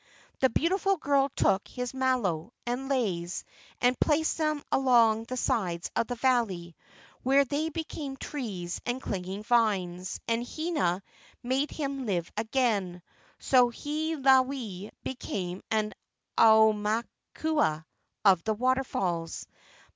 The beautiful girl took his malo and leis and placed them along the sides of the valley, where they became trees and clinging vines, and Hina made him live again; so Hiilawe became an aumakua of the waterfalls.